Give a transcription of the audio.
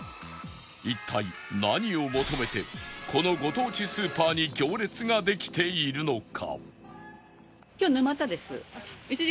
一体何を求めてこのご当地スーパーに行列ができているのか？